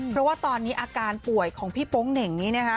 เพราะว่าตอนนี้อาการป่วยของพี่โป๊งเหน่งนี้นะคะ